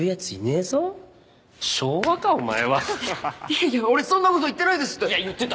いやいや俺そんなこと言ってないですって。